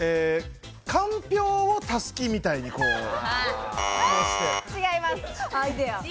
かんぴょうをたすきみたいに。違います。